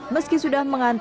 meski sudah mengantuk